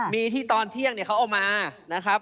มีที่ตอนเที่ยงเขาเอามานะครับ